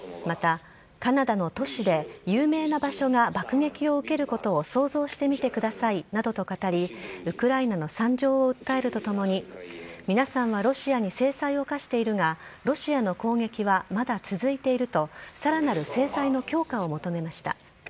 また、カナダの都市で有名な場所が爆撃を受けることを想像してみてくださいなどと語り、ウクライナの惨状を訴えるとともに、皆さんはロシアに制裁を科しているが、ロシアの攻撃はまだ続いていると、さらなる制裁の強化を求めました。